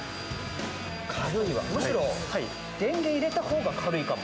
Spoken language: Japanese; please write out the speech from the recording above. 軽いわ、むしろ電源入れた方が軽いかも。